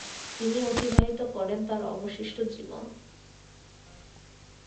তিনি অতিবাহিত করেন তার অবশিষ্ট জীবন।